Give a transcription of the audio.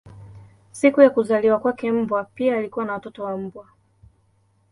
Siku ya kuzaliwa kwake mbwa pia alikuwa na watoto wa mbwa.